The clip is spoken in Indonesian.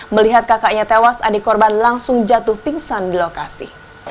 melihat kakaknya tewas adik korban langsung jatuh pingsan di lokasi